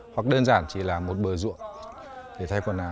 hoặc đơn giản chỉ là một bờ ruộng để thay quần áo